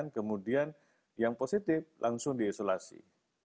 kemudian yang positif langsung diisolasi